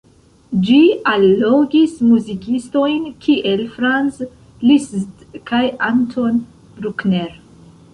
Ĝi allogis muzikistojn kiel Franz Liszt kaj Anton Bruckner.